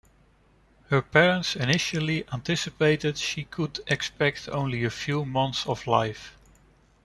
Her parents initially anticipated she could expect only a few months of life.